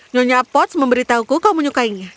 nyonya pot memberitahuku kau menyukainya